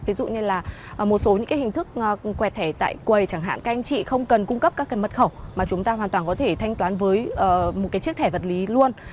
ví dụ như là một số những cái hình thức quẹt thẻ tại quầy chẳng hạn các anh chị không cần cung cấp các cái mật khẩu mà chúng ta hoàn toàn có thể thanh toán với một cái chiếc thẻ vật lý luôn